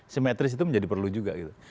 simetris itu menjadi perlu juga gitu